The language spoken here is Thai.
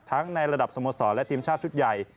ทั้งในระดับสมสอบและทีมชาติชุดใหญ่